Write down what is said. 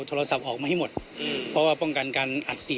โทรศัพท์ออกมาให้หมดเพราะว่าป้องกันการอัดเสียง